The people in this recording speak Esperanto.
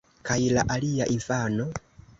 Kaj la alia infano?